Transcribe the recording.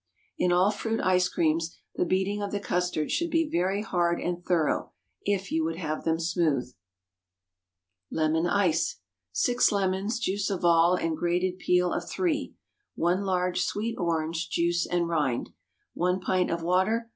In all fruit ice creams the beating of the custard should be very hard and thorough, if you would have them smooth. LEMON ICE. ✠ 6 lemons—juice of all, and grated peel of three. 1 large sweet orange—juice and rind. 1 pint of water.